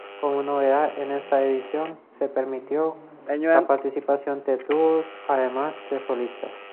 Como novedad en esta edición, se permitió la participación de dúos además de solistas.